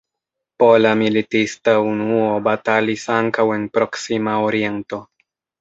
Pola militista unuo batalis ankaŭ en Proksima Oriento.